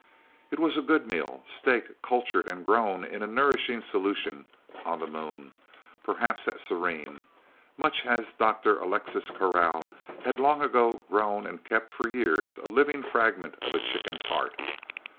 It was a good meal steak cultured and grown in a nourishing solution, on the Moon, perhaps at Serene, much as Dr. Alexis Carrel had long ago grown and kept for years a living fragment of a chicken's heart.